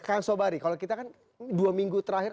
kang sobari kalau kita kan dua minggu terakhir